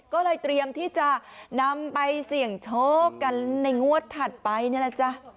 ก็เลยเตรียมที่จะนำไปเสี่ยงโชคกันในงวดถัดไปนี่แหละจ๊ะ